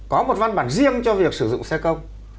có một văn bản riêng cho việc sử dụng xe công